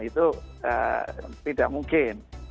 itu tidak mungkin